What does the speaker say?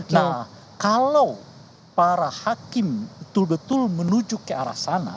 nah kalau para hakim betul betul menuju ke arah sana